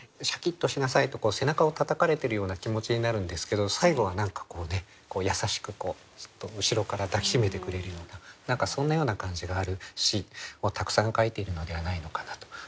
シャキッとしなさいと背中をたたかれているような気持ちになるんですけど最後は何かこうね優しくそっと後ろから抱き締めてくれるような何かそんなような感じがある詩をたくさん書いているのではないのかなと。